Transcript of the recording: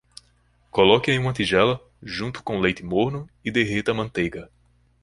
Coloque em uma tigela, junto com leite morno e derreta a manteiga.